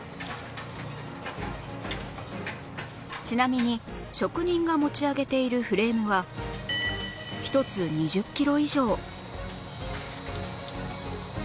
ちなみに職人が持ち上げているフレームは１つ２０キロ以上